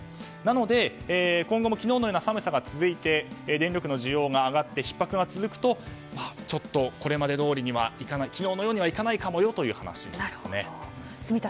なので今後も昨日のような寒さが続いて、電力の需要が上がってひっ迫が続くとこれまでどおりには昨日のようにはいかないかもよという話です。